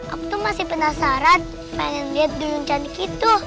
aku tuh masih penasaran pengen liat duyung cantik itu